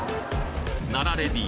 奈良レディ